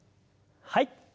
はい。